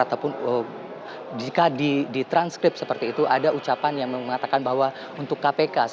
ataupun jika ditranskrip seperti itu ada ucapan yang mengatakan bahwa untuk kpk